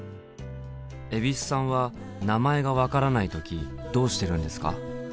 蛭子さんは名前が分からない時どうしてるんですか？